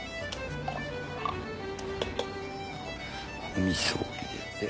おみそを入れて。